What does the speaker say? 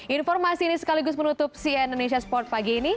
informasi ini sekaligus menutup cien indonesia sport pagi ini